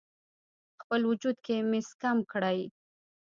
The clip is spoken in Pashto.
خپل وجود کې مس کم کړئ: